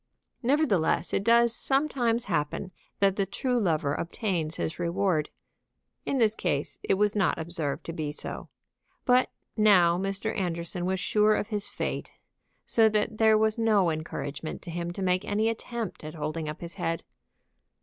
Nevertheless it does sometimes happen that the true lover obtains his reward. In this case it was not observed to be so. But now Mr. Anderson was sure of his fate, so that there was no encouragement to him to make any attempt at holding up his head.